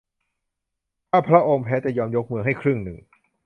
ถ้าพระองค์แพ้จะยอมยกเมืองให้ครึ่งหนึ่ง